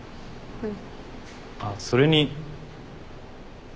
うん。